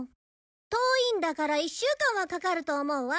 遠いんだから１週間はかかると思うわ。